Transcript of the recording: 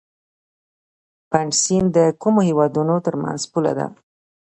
پنج سیند د کومو هیوادونو ترمنځ پوله ده؟